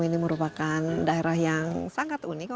ini merupakan daerah yang sangat unik